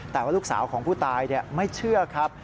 แต่ว่าลูกสาวของผู้ตายไม่เชื่อครับ